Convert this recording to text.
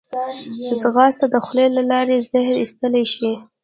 ځغاسته د خولې له لارې زهر ایستلی شي